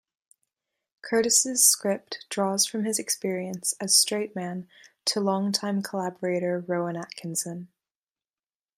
Curtis's script draws from his experiences as straight man to long-time collaborator Rowan Atkinson.